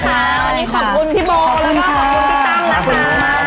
ขอบคุณพี่บ๋อและพี่ตังค์นะคะ